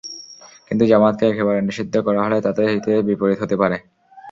কিন্তু জামায়াতকে একেবারে নিষিদ্ধ করা হলে, তাতে হিতে বিপরীত হতে পারে।